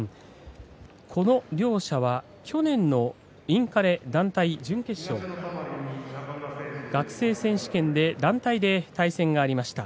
この両者は去年のインカレ団体準決勝、学生選手権で団体で対戦がありました。